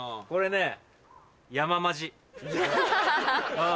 これね。